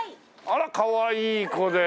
あらかわいい子で。